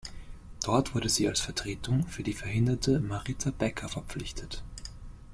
Dort wurde sie als Vertretung für die verhinderte Maritta Becker verpflichtet.